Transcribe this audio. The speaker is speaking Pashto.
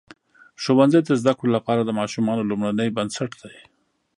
ښوونځی د زده کړو لپاره د ماشومانو لومړنۍ بنسټ دی.